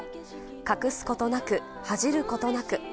隠すことなく、恥じることなく。